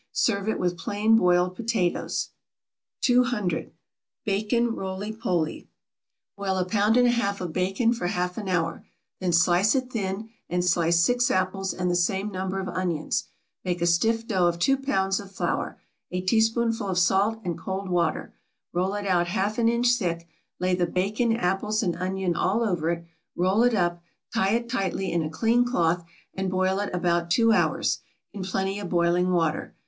Serve it with plain boiled potatoes. 200. =Bacon Roly Poly.= Boil a pound and a half of bacon for half an hour; then slice it thin; peel and slice six apples and the same number of onions; make a stiff dough of two pounds of flour, a teaspoonful of salt, and cold water; roll it out half an inch thick; lay the bacon, apples, and onion all over it, roll it up, tie it tightly in a clean cloth, and boil it about two hours, in plenty of boiling water.